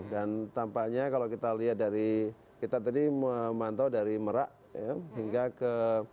dan tampaknya kalau kita lihat dari kita tadi memantau dari merak hingga ke